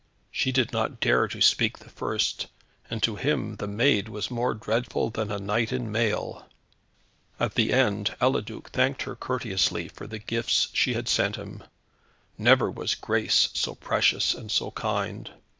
She did not dare to speak the first, and to him the maid was more dreadful than a knight in mail. At the end Eliduc thanked her courteously for the gifts she had sent him; never was grace so precious and so kind.